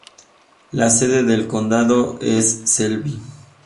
La sede del condado es Selby.